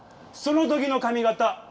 そのときの髪形